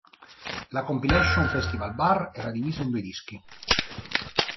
La compilation "Festivalbar" era divisa in due dischi.